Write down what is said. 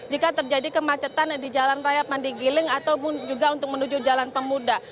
jika terjadi kemacetan di jalan raya mandi giling ataupun juga untuk menuju jalan pemuda